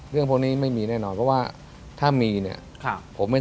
เรื่องพวกนี้ไม่มีแน่นอนเพราะว่าถ้ามีเนี่ยผมไม่